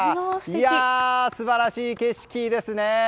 いやー素晴らしい景色ですね！